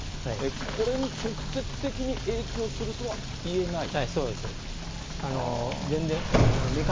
これに直接的に影響するとはいえないと。